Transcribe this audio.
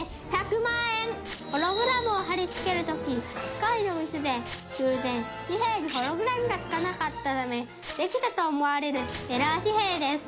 ホログラムを貼り付ける時機械のミスで偶然紙幣にホログラムが付かなかったためできたと思われるエラー紙幣です。